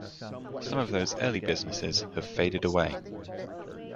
Some of those early businesses have faded away.